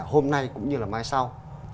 hôm nay cũng như là mai sau